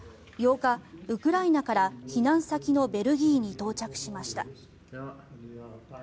８日、ウクライナから避難先のベルギーに到着しました。